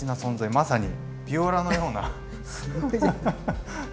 まさにビオラのような。